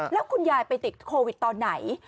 แล้วคุณยายไปติดโควิดตอนไหน